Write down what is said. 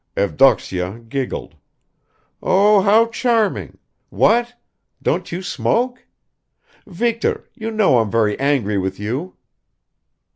Evdoksya giggled. "Oh, how charming! What, don't you smoke? Viktor, you know I'm very angry with you."